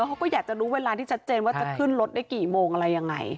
เขาก็อยากจะรู้เวลาที่ชัดเจนว่าจะขึ้นรถได้กี่โมงอะไรยังไง